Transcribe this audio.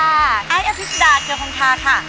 อ้ายอธิบดาเจอของข้าค่ะ